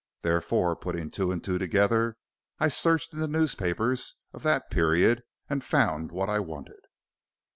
Therefore, putting two and two together, I searched in the newspapers of that period and found what I wanted."